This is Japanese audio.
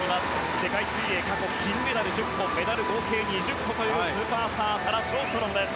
世界水泳、過去金メダル１０個メダル合計２０個というスーパースターサラ・ショーストロムです。